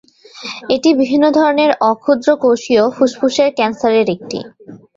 এটি বিভিন্ন ধরনের অ-ক্ষুদ্র কোষীয় ফুসফুসের ক্যান্সারের একটি।